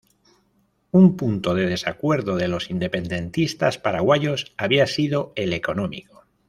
Un punto de desacuerdo de los independentistas paraguayos había sido el económico.